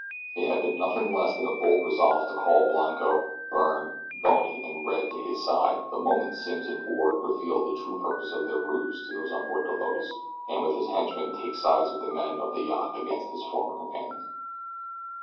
It had been nothing less than a bold resolve to call Blanco, Byrne, "Bony," and "Red" to his side the moment Simms and Ward revealed the true purpose of their ruse to those on board the Lotus, and with his henchmen take sides with the men of the yacht against his former companions.